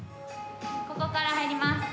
ここから入ります。